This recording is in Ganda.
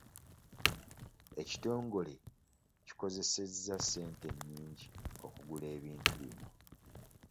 Ekitongole kikozeseza ssente nnyingi okugula ebintu bino.